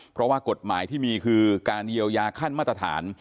เพราะว่ากฎหมายที่มีคือการเยียวยาขั้นมาตรฐาน